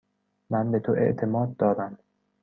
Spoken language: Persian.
من به تو اعتماد دارم.